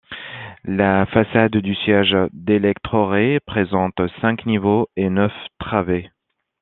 La façade du siège d'Électrorail présente cinq niveaux et neuf travées.